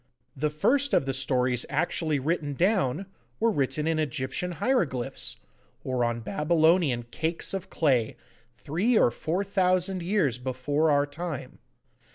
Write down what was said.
The first of the stories actually written down, were written in Egyptian hieroglyphs, or on Babylonian cakes of clay, three or four thousand years before our time.